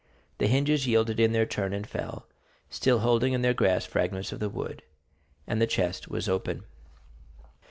The hinges yielded in their turn and fell, still holding in their grasp fragments of the wood, and the chest was open.